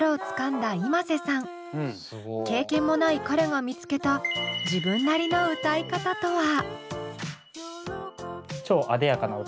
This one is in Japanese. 経験もない彼が見つけた自分なりの歌い方とは？